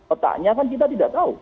otaknya kan kita tidak tahu